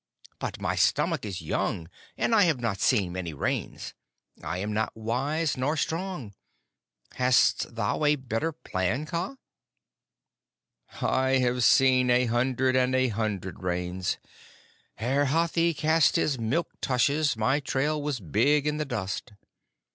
But my stomach is young, and I have not seen many Rains. I am not wise nor strong. Hast thou a better plan, Kaa?" "I have seen a hundred and a hundred Rains. Ere Hathi cast his milk tushes my trail was big in the dust.